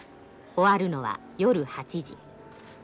終わるのは夜８時。